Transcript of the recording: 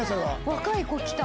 若い子来た。